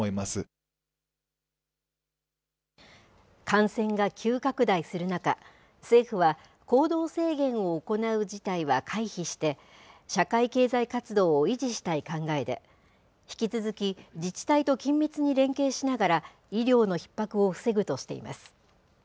感染が急拡大する中、政府は、行動制限を行う事態は回避して、社会経済活動を維持したい考えで、引き続き、自治体と緊密に連携しながら、医療のひっ迫を防ぐとしています。